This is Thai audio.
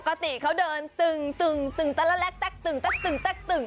ปกติเค้าเดินตึงตึงตึงตัลละแแล็กตึงตัลละแแล็กตึง